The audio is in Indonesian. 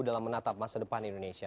di masa depan indonesia